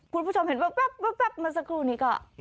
คุณผู้ชมเห็นแว๊บมาสักครู่นี้ก็